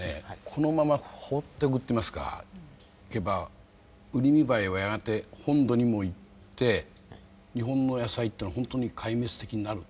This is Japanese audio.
このまま放っておけばウリミバエはやがて本土にも行って日本の野菜ってのはほんとに壊滅的になる？